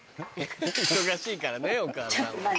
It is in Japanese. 忙しいからねお母さんは。